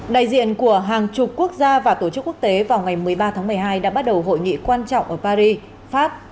đại diện của hàng chục quốc gia và tổ chức quốc tế vào ngày một mươi ba tháng một mươi hai đã bắt đầu hội nghị quan trọng ở paris pháp